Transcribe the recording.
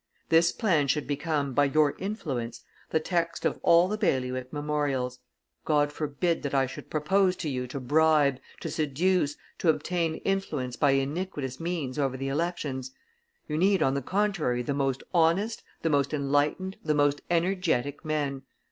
This plan should become, by your influence, the text of all the bailiwick memorials. God forbid that I should propose to you to bribe, to seduce, to obtain influence by iniquitous means over the elections! You need, on the contrary, the most honest, the most enlightened, the most energetic men.